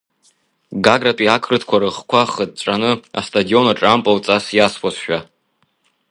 Гагратәи ақырҭқәа рыхқәа хыҵәҵәаны астадион аҿы ампылҵас иасуазшәа.